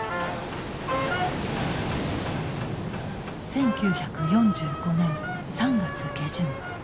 １９４５年３月下旬。